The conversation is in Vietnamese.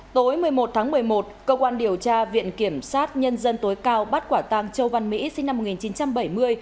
tối một mươi một tháng một mươi một cơ quan điều tra viện kiểm sát nhân dân tối cao bắt quả tang châu văn mỹ sinh năm một nghìn chín trăm bảy mươi